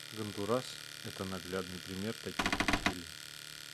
Гондурас — это наглядный пример таких усилий.